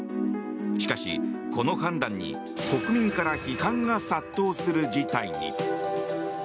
しかし、この判断に国民から批判が殺到する事態に。